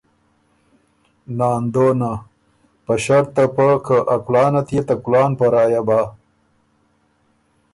ناندونه: په ݭړط ته پۀ، که ا کُلان ات يې ته کُلان په رایه بَۀ۔